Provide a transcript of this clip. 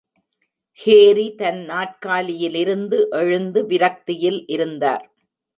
Harry தன் நாற்காலியில் இருந்து எழுந்து விரக்தியில் இருந்தார்.